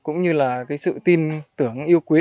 cũng như là sự tin tưởng yêu quý